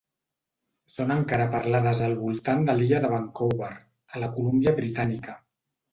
Són encara parlades al voltant de l'illa de Vancouver, a la Colúmbia Britànica.